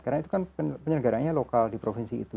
karena itu kan penyelenggaranya lokal di provinsi itu